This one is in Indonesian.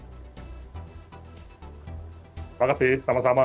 terima kasih sama sama